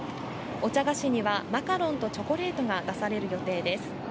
お茶菓子には、マカロンとチョコレートが出される予定です。